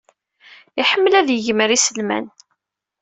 Iḥemmel ad yegmer iselman.